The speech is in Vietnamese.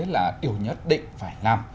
là điều nhất định phải làm